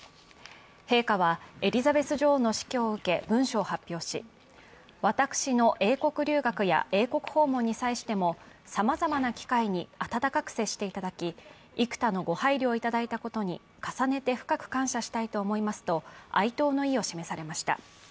陛下はエリザベス女王の死去を受け文書を発表し、私の英国留学や英国訪問に際してもさまざまな機会に温かく接していただき、幾多のご配慮をいただいたことに重ねて深く感謝したいと思いますと哀悼の意を示されました。